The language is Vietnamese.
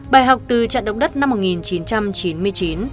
bài học từ trận động đất năm một nghìn chín trăm chín mươi chín